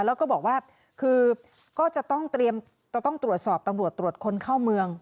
แล้วก็บอกว่าก็จะต้องตรวจสอบตำรวจตรวจคนเข้ามือง